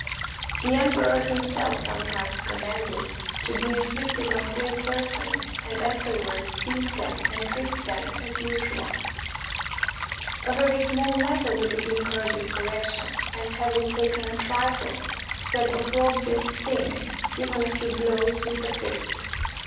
The emperor himself sometimes commands it to be in flicted on great persons, and afterwards sees them and treats them as usual. A very small matter will incur this correction ; as having taken a trifle, said opprobrious things, given a few blows with the fist.